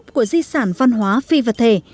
cái gốc của di sản văn hóa phi vật thể